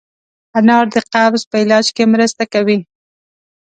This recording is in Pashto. انار د قبض په علاج کې مرسته کوي.